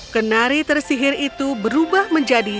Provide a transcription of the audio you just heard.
kenari tersihir itu berubah menjadi